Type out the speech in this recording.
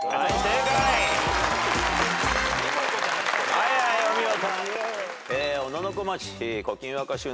はいはいお見事。